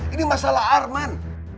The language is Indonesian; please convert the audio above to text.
ini masalah arman